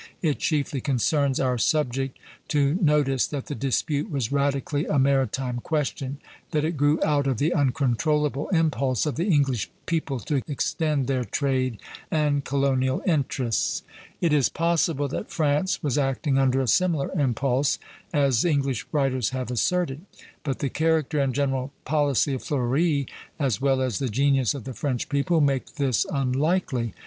It chiefly concerns our subject to notice that the dispute was radically a maritime question, that it grew out of the uncontrollable impulse of the English people to extend their trade and colonial interests. It is possible that France was acting under a similar impulse, as English writers have asserted; but the character and general policy of Fleuri, as well as the genius of the French people, make this unlikely.